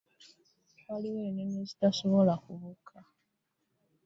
Waliwo ennyonyi ezitasobola kubuuka.